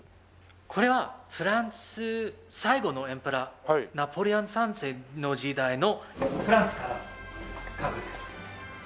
これはフランス最後のエンペラーナポレオン３世の時代のフランスからの家具です。